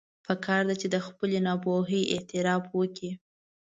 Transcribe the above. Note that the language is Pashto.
پکار ده چې د خپلې ناپوهي اعتراف وکړي.